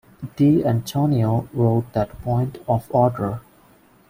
De Antonio wrote that Point of Order!